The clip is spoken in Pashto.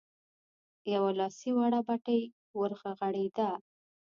يوه لاسي وړه بتۍ ورغړېده.